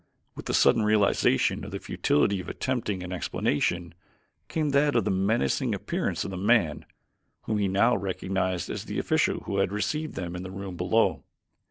With the sudden realization of the futility of attempting an explanation, came that of the menacing appearance of the man, whom he now recognized as the official who had received them in the room below.